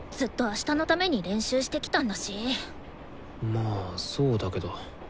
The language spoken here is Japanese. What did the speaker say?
まあそうだけど。